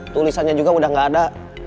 tulisannya juga udah gak ada